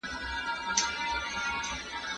په قرآن کي مُلا دغه اُخوت دی؟